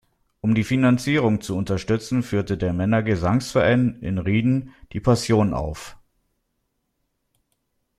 Um die Finanzierung zu unterstützen, führte der Männergesangsverein in Rieden die Passion auf.